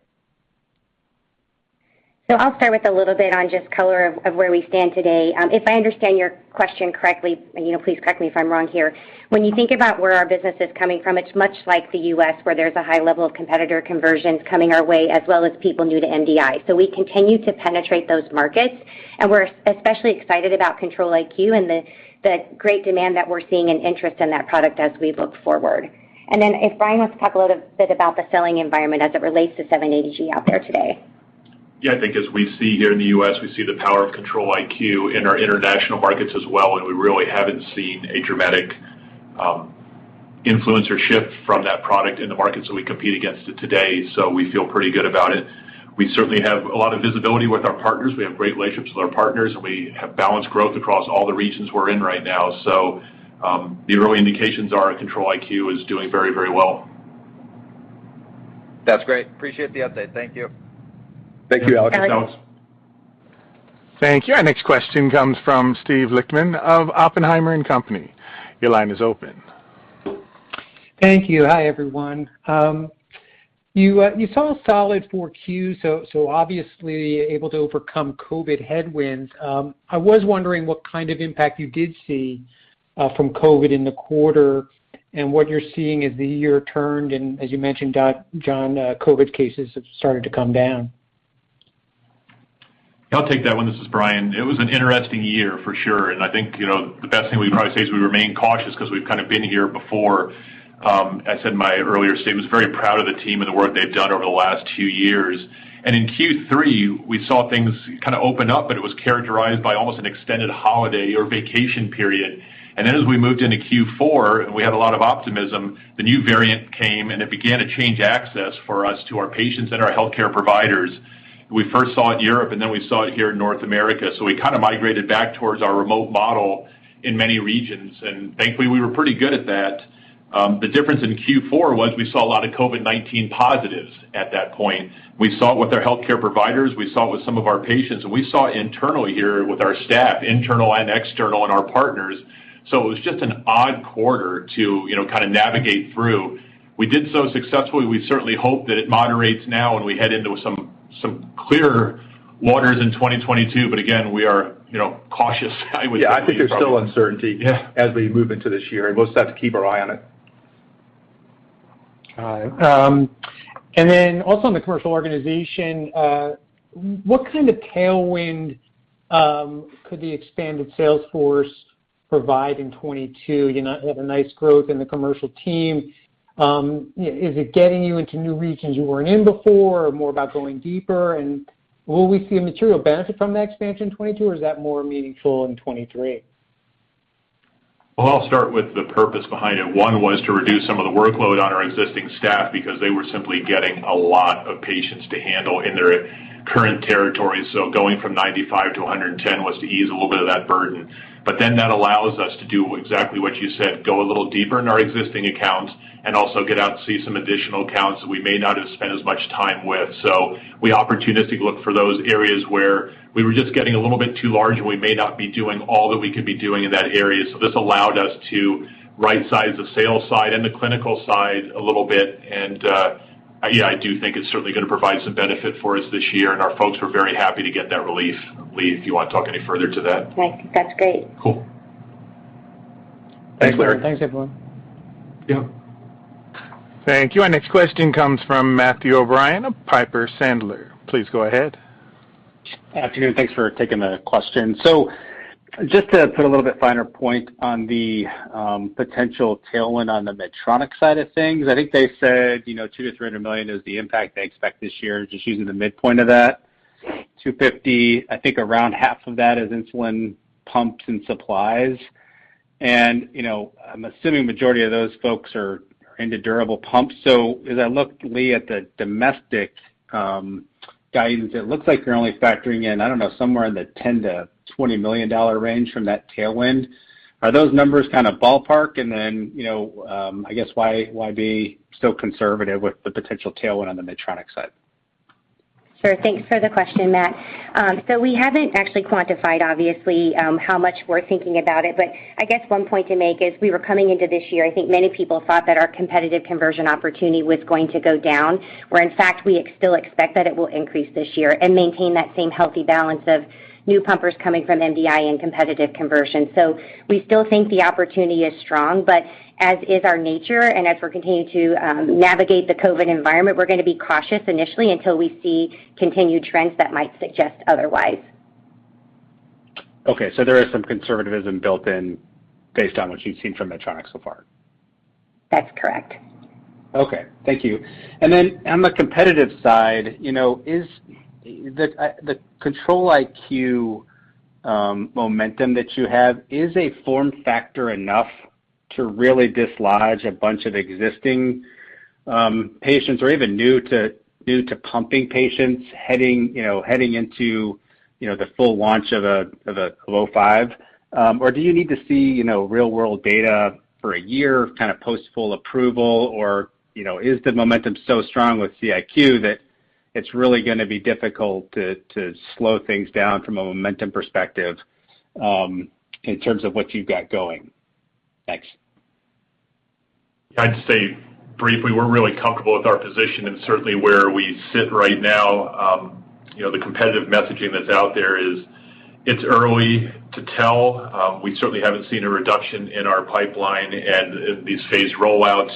I'll start with a little bit on just color on where we stand today. If I understand your question correctly, and you know, please correct me if I'm wrong here. When you think about where our business is coming from, it's much like the U.S., where there's a high level of competitor conversions coming our way, as well as people new to MDI. We continue to penetrate those markets, and we're especially excited about Control-IQ and the great demand that we're seeing and interest in that product as we look forward. Then if Brian wants to talk a little bit about the selling environment as it relates to 780G out there today. Yeah, I think as we see here in the U.S., we see the power of Control-IQ in our international markets as well, and we really haven't seen a dramatic influencer shift from that product in the markets that we compete against it today. We feel pretty good about it. We certainly have a lot of visibility with our partners. We have great relationships with our partners, and we have balanced growth across all the regions we're in right now. The early indications are Control-IQ is doing very, very well. That's great. Appreciate the update. Thank you. Thank you, Alex. All right. Thank you. Our next question comes from Steve Lichtman of Oppenheimer & Co. Inc. Your line is open. Thank you. Hi, everyone. You saw a solid Q4. Obviously able to overcome COVID headwinds. I was wondering what kind of impact you did see from COVID in the quarter and what you're seeing as the year turned and as you mentioned, John, COVID cases have started to come down. I'll take that one. This is Brian. It was an interesting year for sure, and I think, you know, the best thing we'd probably say is we remain cautious 'cause we've kind of been here before. I said in my earlier statement, very proud of the team and the work they've done over the last two years. In Q3, we saw things kind of open up, but it was characterized by almost an extended holiday or vacation period. As we moved into Q4, and we had a lot of optimism, the new variant came, and it began to change access for us to our patients and our healthcare providers. We first saw it in Europe, and then we saw it here in North America. We kind of migrated back towards our remote model in many regions, and thankfully, we were pretty good at that. The difference in Q4 was we saw a lot of COVID-19 positives at that point. We saw it with our healthcare providers, we saw it with some of our patients, and we saw it internally here with our staff, internal and external, and our partners. So it was just an odd quarter to, you know, kind of navigate through. We did so successfully. We certainly hope that it moderates now when we head into some clearer waters in 2022. Again, we are, you know, cautious, I would say, probably. Yeah, I think there's still uncertainty. Yeah as we move into this year, and we'll just have to keep our eye on it. Got it. In the commercial organization, what kind of tailwind could the expanded sales force provide in 2022? You know, had a nice growth in the commercial team. You know, is it getting you into new regions you weren't in before or more about going deeper? Will we see a material benefit from the expansion in 2022, or is that more meaningful in 2023? Well, I'll start with the purpose behind it. One was to reduce some of the workload on our existing staff because they were simply getting a lot of patients to handle in their current territories. Going from 95 to 110 was to ease a little bit of that burden. That allows us to do exactly what you said, go a little deeper in our existing accounts and also get out and see some additional accounts that we may not have spent as much time with. We opportunistically look for those areas, where we were just getting a little bit too large, and we may not be doing all that we could be doing in that area. This allowed us to rightsize the sales side and the clinical side a little bit. Yeah, I do think it's certainly gonna provide some benefit for us this year, and our folks were very happy to get that relief. Leigh, if you wanna talk any further to that. I think that's great. Cool. Thanks, Steve. Thanks everyone. Yeah. Thank you. Our next question comes from Matthew O'Brien of Piper Sandler. Please go ahead. Afternoon. Thanks for taking the questions. Just to put a little bit finer point on the potential tailwind on the Medtronic side of things, I think they said, you know, $200 million-$300 million is the impact they expect this year, just using the midpoint of that. $250 million, I think around half of that is insulin pumps and supplies. You know, I'm assuming majority of those folks are into durable pumps. As I look, Leigh, at the domestic guidance, it looks like you're only factoring in, I don't know, somewhere in the $10 million-$20 million range from that tailwind. Are those numbers kind of ballpark? You know, I guess why be so conservative with the potential tailwind on the Medtronic side? Sure. Thanks for the question, Matt. We haven't actually quantified, obviously, how much we're thinking about it. I guess one point to make is we were coming into this year. I think many people thought that our competitive conversion opportunity was going to go down, where in fact, we still expect that it will increase this year and maintain that same healthy balance of new pumpers coming from MDI and competitive conversion. We still think the opportunity is strong, but as is our nature and as we're continuing to navigate the COVID environment, we're gonna be cautious initially until we see continued trends that might suggest otherwise. Okay, there is some conservatism built in based on what you've seen from Medtronic so far. That's correct. Thank you. Then on the competitive side, you know, is the Control-IQ momentum that you have, is a form factor enough to really dislodge a bunch of existing patients or even new to pumping patients heading you know into the full launch of a Omnipod 5? Or do you need to see you know real-world data for a year kind of post full approval? Or you know is the momentum so strong with CIQ that it's really gonna be difficult to slow things down from a momentum perspective in terms of what you've got going? Thanks. I'd say briefly, we're really comfortable with our position and certainly where we sit right now. You know, the competitive messaging that's out there is. It's early to tell. We certainly haven't seen a reduction in our pipeline and these phased rollouts.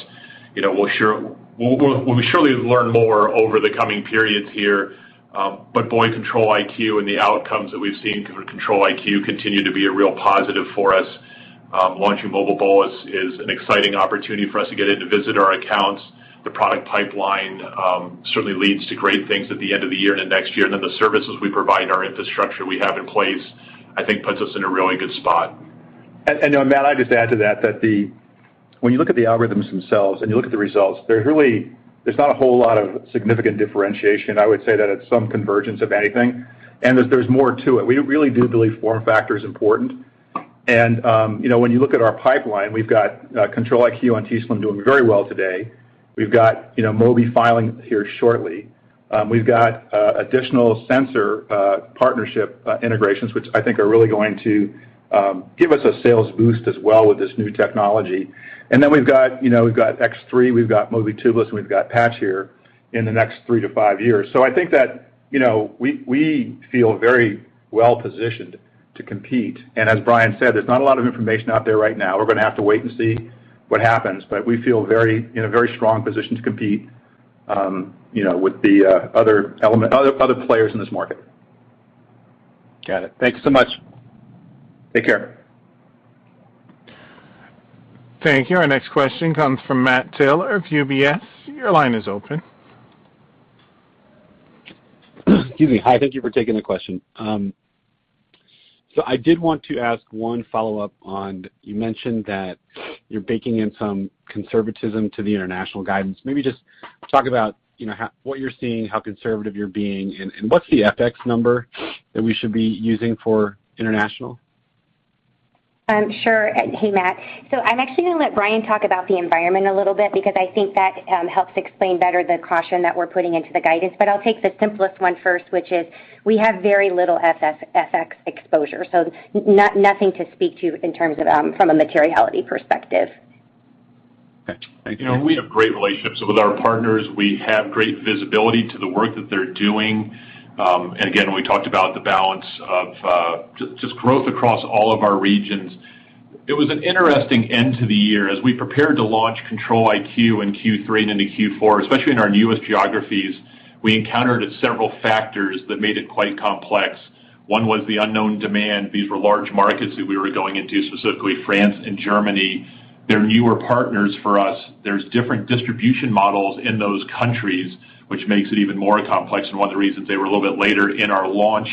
You know, we surely have learned more over the coming periods here. Boy, Control-IQ and the outcomes that we've seen from Control-IQ continue to be a real positive for us. Launching Mobile Bolus is an exciting opportunity for us to get in to visit our accounts. The product pipeline certainly leads to great things at the end of the year and into next year. The services we provide and our infrastructure we have in place, I think puts us in a really good spot. Matt, I'd just add to that when you look at the algorithms themselves and you look at the results, there's really not a whole lot of significant differentiation. I would say that it's some convergence of anything, and there's more to it. We really do believe form factor is important. You know, when you look at our pipeline, we've got Control-IQ on t:slim doing very well today. We've got Mobi filing here shortly. We've got additional sensor partnership integrations, which I think are really going to give us a sales boost as well with this new technology. Then we've got X3, we've got Mobi Tubeless, and we've got Patch here in the next three-five years. I think that you know, we feel very well-positioned to compete. As Brian said, there's not a lot of information out there right now. We're gonna have to wait and see what happens. We feel very in a very strong position to compete, you know, with the other players in this market. Got it. Thank you so much. Take care. Thank you. Our next question comes from Matt Taylor of UBS. Your line is open. Excuse me. Hi, thank you for taking the question. So I did want to ask one follow-up on, you mentioned that you're baking in some conservatism to the international guidance. Maybe just talk about, you know, what you're seeing, how conservative you're being, and what's the FX number that we should be using for international? Sure. Hey, Matt. I'm actually gonna let Brian talk about the environment a little bit because I think that helps explain better the caution that we're putting into the guidance. I'll take the simplest one first, which is we have very little FX exposure, so nothing to speak to in terms of, from a materiality perspective. Okay. Thank you. You know, we have great relationships with our partners. We have great visibility to the work that they're doing. We talked about the balance of just growth across all of our regions. It was an interesting end to the year. As we prepared to launch Control-IQ in Q3 into Q4, especially in our newest geographies, we encountered several factors that made it quite complex. One was the unknown demand. These were large markets that we were going into, specifically France and Germany. They're newer partners for us. There's different distribution models in those countries, which makes it even more complex, and one of the reasons they were a little bit later in our launch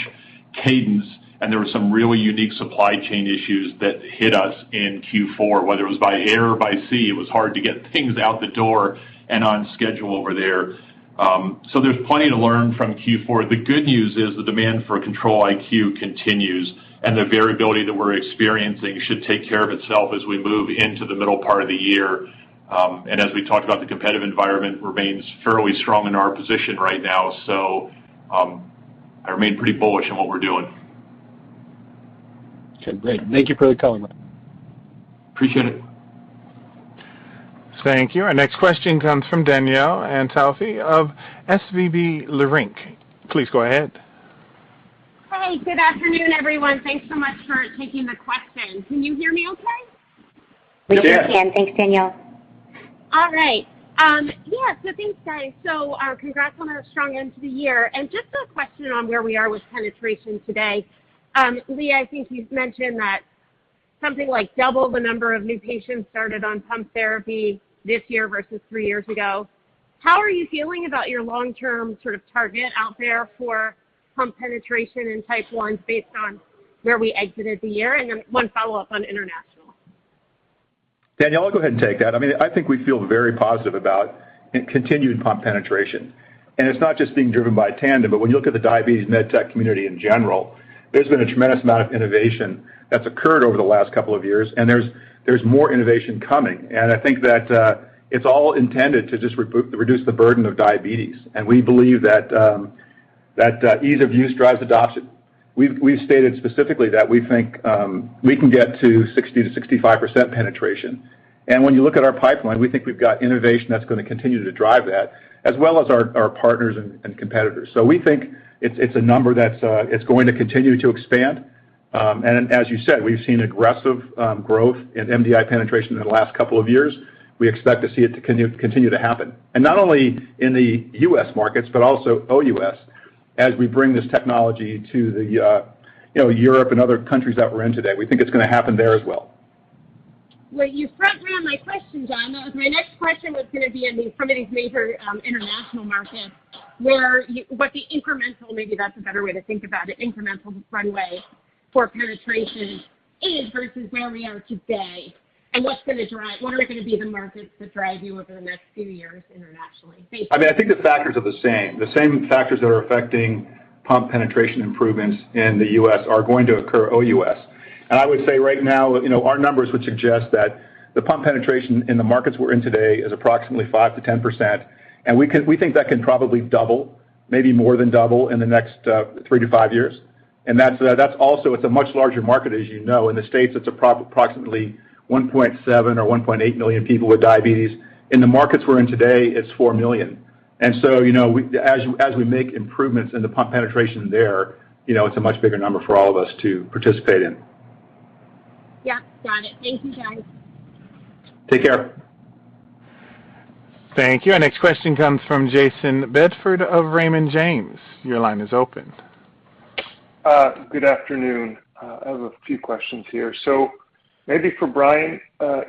cadence. There were some really unique supply chain issues that hit us in Q4, whether it was by air or by sea, it was hard to get things out the door and on schedule over there. There's plenty to learn from Q4. The good news is the demand for Control-IQ continues, and the variability that we're experiencing should take care of itself as we move into the middle part of the year. As we talked about, the competitive environment remains fairly strong in our position right now. I remain pretty bullish on what we're doing. Okay, great. Thank you for the color. Appreciate it. Thank you. Our next question comes from Danielle Antalffy of SVB Leerink. Please go ahead. Hey, good afternoon, everyone. Thanks so much for taking the question. Can you hear me okay? We can. We can. Thanks, Danielle. All right. Thanks, guys. Congrats on a strong end to the year. Just a question on where we are with penetration today. Lee, I think you've mentioned that something like double the number of new patients started on pump therapy this year versus three years ago. How are you feeling about your long-term sort of target out there for pump penetration in Type 1s based on where we exited the year? One follow-up on international. Danielle, I'll go ahead and take that. I mean, I think we feel very positive about continued pump penetration. It's not just being driven by Tandem, but when you look at the diabetes med tech community in general, there's been a tremendous amount of innovation that's occurred over the last couple of years, and there's more innovation coming. I think that it's all intended to just reduce the burden of diabetes. We believe that ease of use drives adoption. We've stated specifically that we think we can get to 60%-65% penetration. When you look at our pipeline, we think we've got innovation that's gonna continue to drive that, as well as our partners and competitors. We think it's a number that's going to continue to expand. As you said, we've seen aggressive growth in MDI penetration in the last couple of years. We expect to see it to continue to happen. Not only in the U.S. markets, but also OUS, as we bring this technology to the, you know, Europe and other countries that we're in today. We think it's gonna happen there as well. Well, you front-ran my question, John. That was my next question was gonna be on some of these major international markets, where what the incremental, maybe that's a better way to think about it, incremental runway for penetration is versus where we are today, and what's gonna drive what are gonna be the markets to drive you over the next few years internationally, basically? I mean, I think the factors are the same. The same factors that are affecting pump penetration improvements in the U.S. are going to occur OUS. I would say right now, you know, our numbers would suggest that the pump penetration in the markets we're in today is approximately 5%-10%. We think that can probably double, maybe more than double in the next 3-5 years. That's also, it's a much larger market, as you know. In the States, it's approximately 1.7 or 1.8 million people with diabetes. In the markets we're in today, it's 4 million. We make improvements in the pump penetration there, you know, it's a much bigger number for all of us to participate in. Yeah, got it. Thank you, guys. Take care. Thank you. Our next question comes from Jayson Bedford of Raymond James. Your line is open. Good afternoon. I have a few questions here. Maybe for Brian,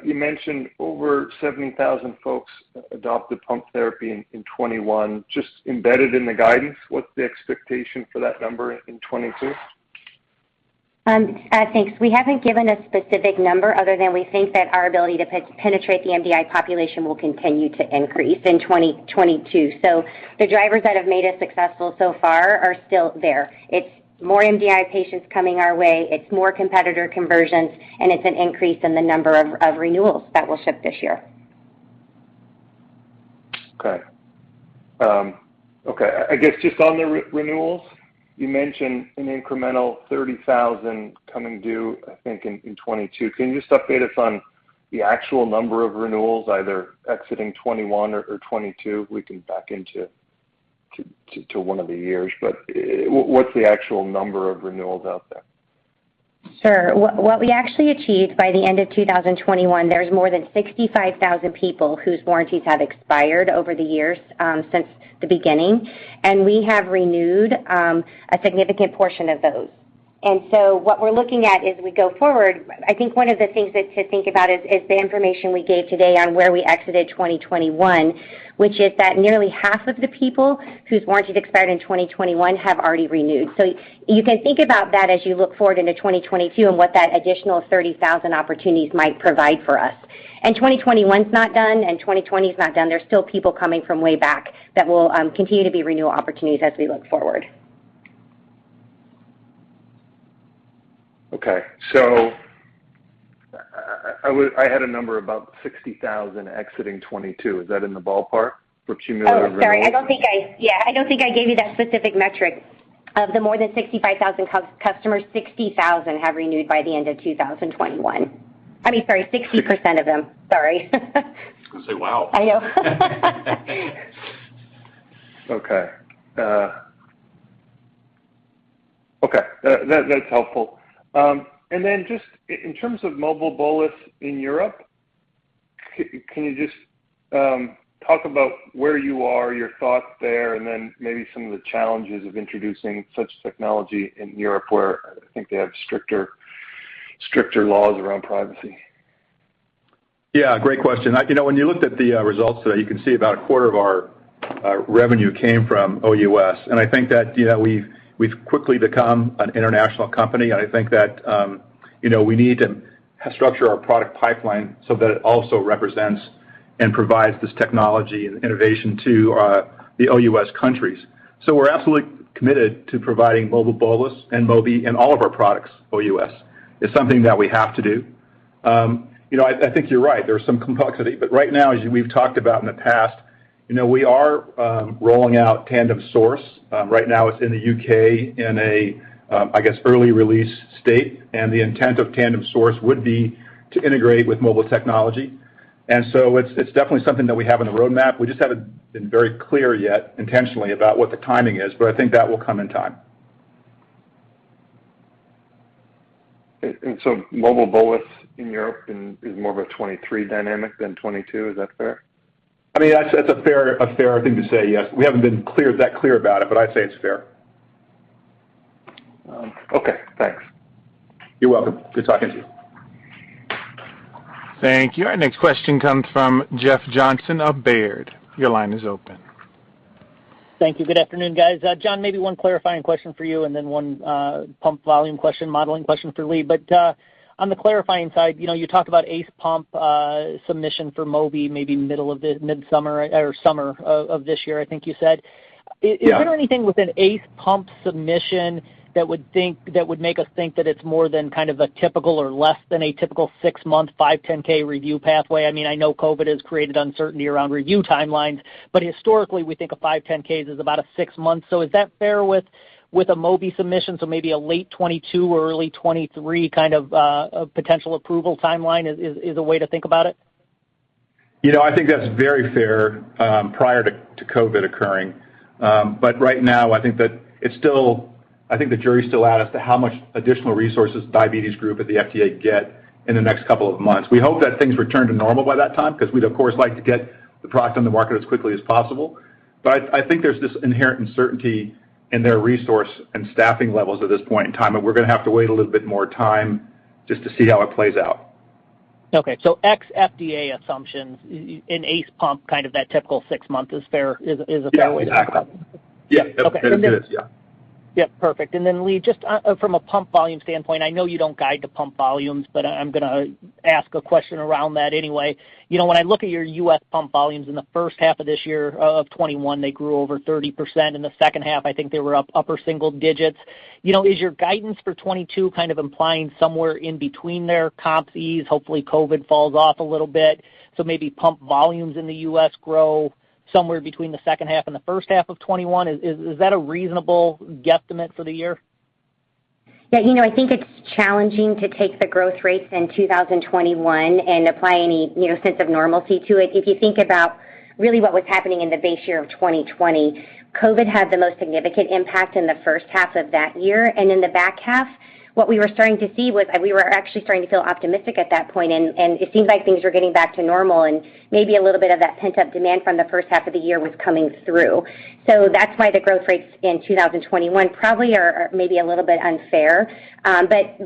you mentioned over 70,000 folks adopted pump therapy in 2021. Just embedded in the guidance, what's the expectation for that number in 2022? Thanks. We haven't given a specific number other than we think that our ability to penetrate the MDI population will continue to increase in 2022. The drivers that have made us successful so far are still there. It's more MDI patients coming our way, it's more competitor conversions, and it's an increase in the number of renewals that we'll ship this year. I guess just on the renewals, you mentioned an incremental 30,000 coming due, I think, in 2022. Can you just update us on the actual number of renewals, either exiting 2021 or 2022? We can back into to one of the years. What's the actual number of renewals out there? Sure. What we actually achieved by the end of 2021. There's more than 65,000 people whose warranties have expired over the years since the beginning. We have renewed a significant portion of those. What we're looking at as we go forward, I think one of the things to think about is the information we gave today on where we exited 2021, which is that nearly half of the people whose warranties expired in 2021 have already renewed. You can think about that as you look forward into 2022 and what that additional 30,000 opportunities might provide for us. 2021's not done, and 2020's not done. There's still people coming from way back that will continue to be renewal opportunities as we look forward. I had a number about 60,000 exiting 2022. Is that in the ballpark for cumulative renewals? Sorry. I don't think I gave you that specific metric. Of the more than 65,000 customers, 60,000 have renewed by the end of 2021. I mean, sorry, 60% of them. Sorry. I was gonna say wow. I know. Okay. Okay. That's helpful. Just in terms of Mobile Bolus in Europe, can you just talk about where you are, your thoughts there, and then maybe some of the challenges of introducing such technology in Europe, where I think they have stricter laws around privacy? Yeah, great question. You know, when you looked at the results today, you can see about a quarter of our revenue came from OUS. I think that, you know, we've quickly become an international company. I think that we need to structure our product pipeline so that it also represents and provides this technology and innovation to the OUS countries. We're absolutely committed to providing Mobile Bolus and Mobi and all of our products OUS. It's something that we have to do. I think you're right. There's some complexity. But right now, as we've talked about in the past, you know, we are rolling out Tandem Source. Right now it's in the U.K. in a I guess early release state. The intent of Tandem Source would be to integrate with mobile technology. It's definitely something that we have on the roadmap. We just haven't been very clear yet intentionally about what the timing is, but I think that will come in time. Mobile Bolus in Europe is more of a 2023 dynamic than 2022. Is that fair? I mean, that's a fair thing to say, yes. We haven't been clear about it, but I'd say it's fair. Okay. Thanks. You're welcome. Good talking to you. Thank you. Our next question comes from Jeff Johnson of Baird. Your line is open. Thank you. Good afternoon, guys. John, maybe one clarifying question for you and then one pump volume question, modeling question for Lee. On the clarifying side, you know, you talk about ACE pump submission for Mobi maybe mid-summer or summer of this year, I think you said. Yeah. Is there anything with an ACE pump submission that would make us think that it's more than kind of a typical or less than a typical six-month 510 review pathway? I mean, I know COVID has created uncertainty around review timelines. Historically, we think of 510s as about a six months. Is that fair with a Mobi submission, so maybe a late 2022 or early 2023 kind of potential approval timeline a way to think about it? You know, I think that's very fair prior to COVID occurring. Right now, I think the jury's still out as to how much additional resources the diabetes group at the FDA get in the next couple of months. We hope that things return to normal by that time because we'd, of course, like to get the product on the market as quickly as possible. I think there's this inherent uncertainty in their resources and staffing levels at this point in time, and we're gonna have to wait a little bit more time just to see how it plays out. Okay. Ex FDA assumptions in ACE pump, kind of that typical 6 months is fair, a fair way to think about it? Yeah, exactly. Yeah. It is. Yeah. Lee, just, from a pump volume standpoint, I know you don't guide to pump volumes, but I'm gonna ask a question around that anyway. You know, when I look at your U.S. pump volumes in the first half of this year, of 2021, they grew over 30%. In the second half, I think they were up in the upper single digits. You know, is your guidance for 2022 kind of implying somewhere in between there, comp ease, hopefully COVID falls off a little bit, so maybe pump volumes in the U.S. grow somewhere between the second half and the first half of 2021? Is that a reasonable guesstimate for the year? Yeah. You know, I think it's challenging to take the growth rates in 2021 and apply any, you know, sense of normalcy to it. If you think about really what was happening in the base year of 2020, COVID had the most significant impact in the first half of that year. In the back half, what we were starting to see was we were actually starting to feel optimistic at that point, and it seemed like things were getting back to normal, and maybe a little bit of that pent-up demand from the first half of the year was coming through. That's why the growth rates in 2021 probably are maybe a little bit unfair. But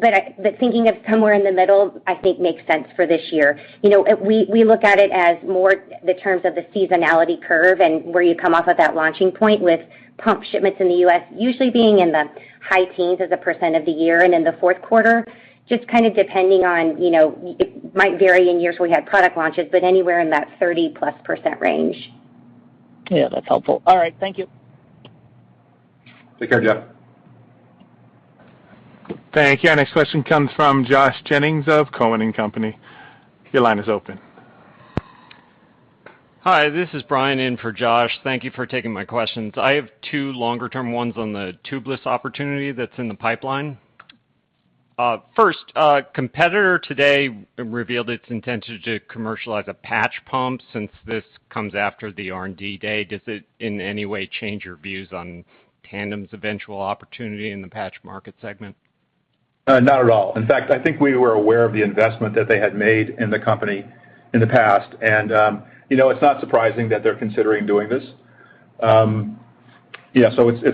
thinking of somewhere in the middle, I think makes sense for this year. You know, we look at it as more in terms of the seasonality curve and where you come off at that launching point with pump shipments in the U.S. usually being in the high teens% of the year and in the fourth quarter, just kind of depending on, you know, it might vary in years where we had product launches, but anywhere in that 30%+ range. Yeah, that's helpful. All right. Thank you. Take care, Jeff. Thank you. Our next question comes from Josh Jennings of Cowen and Company. Your line is open. Hi, this is Brian in for Josh. Thank you for taking my questions. I have two longer-term ones on the tubeless opportunity that's in the pipeline. First, a competitor today revealed its intention to commercialize a patch pump. Since this comes after the R&D day, does it in any way change your views on Tandem's eventual opportunity in the patch market segment? Not at all. In fact, I think we were aware of the investment that they had made in the company in the past. You know, it's not surprising that they're considering doing this. It's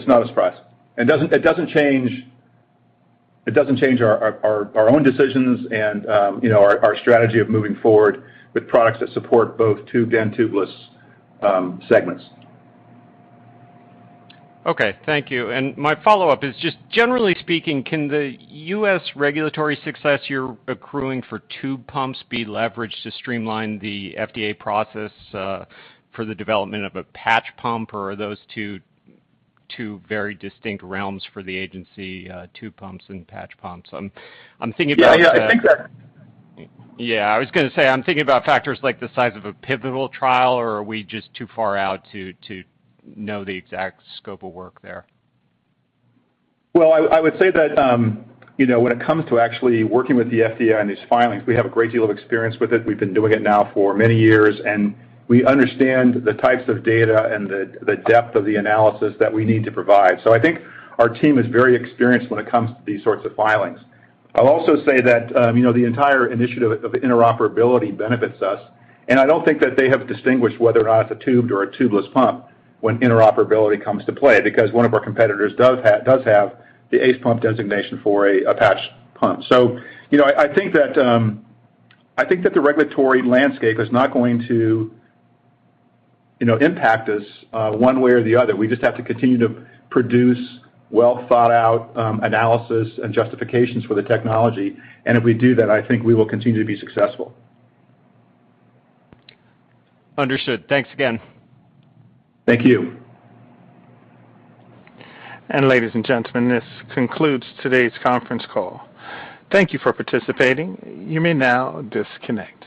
not a surprise. It doesn't change our own decisions and, you know, our strategy of moving forward with products that support both tubed and tubeless segments. Okay. Thank you. My follow-up is just generally speaking, can the U.S. regulatory success you're accruing for tube pumps be leveraged to streamline the FDA process for the development of a patch pump? Or are those two very distinct realms for the agency, tube pumps and patch pumps? Yeah, yeah, I think that. Yeah, I was gonna say, I'm thinking about factors like the size of a pivotal trial, or are we just too far out to know the exact scope of work there? Well, I would say that, you know, when it comes to actually working with the FDA on these filings, we have a great deal of experience with it. We've been doing it now for many years, and we understand the types of data and the depth of the analysis that we need to provide. I think our team is very experienced when it comes to these sorts of filings. I'll also say that, you know, the entire initiative of interoperability benefits us, and I don't think that they have distinguished whether or not it's a tubed or a tubeless pump when interoperability comes to play, because one of our competitors does have the ACE pump designation for a patch pump. You know, I think that the regulatory landscape is not going to, you know, impact us one way or the other. We just have to continue to produce well thought out analysis and justifications for the technology. If we do that, I think we will continue to be successful. Understood. Thanks again. Thank you. Ladies and gentlemen, this concludes today's conference call. Thank you for participating. You may now disconnect.